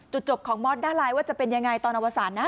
จุดจบของมอดได้รายว่าจะเป็นอย่างไรตอนอวสารนะ